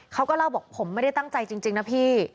เขาก็เล่าบอกผมไม่ได้ตั้งใจจริงนะพี่